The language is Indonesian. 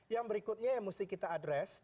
yang berikutnya yang mesti kita addres